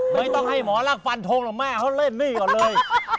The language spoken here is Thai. ไม่ต้องให้หมอล่าฟันโทรหลงมาเขาเล่นนี่ก่อนเลย